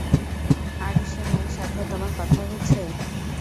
আরিশেমের সাথে তোমার কথা হয়েছে?